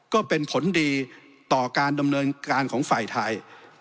ก็เป็นผลดีต่อการดำเนินการของฝ่ายไทย